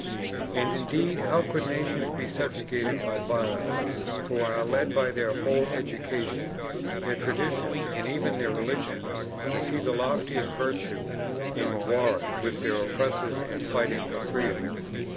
And indeed how could nations be subjugated by violence who are led by their whole education, their traditions, and even their religion to see the loftiest virtue in warring with their oppressors and fighting for freedom?